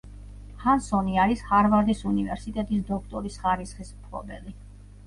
ჰანსონი არის ჰარვარდის უნივერსიტეტის დოქტორის ხარისხის მფლობელი.